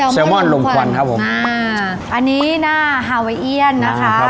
แซลมอนลมขวัญครับผมอันนี้หน้าฮาเวียนนะคะ